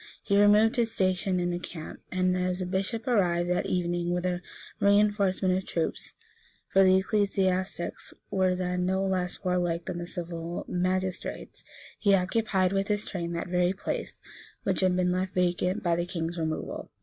He removed his station in the camp; and as a bishop arrived that evening with a reënforcement of troops, (for the ecclesiastics were then no less warlike than the civil magistrates,) he occupied with his train that very place which had been left vacant by the king's removal.